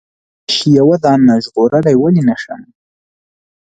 تش یوه دانه ژغورلای ولې نه شم؟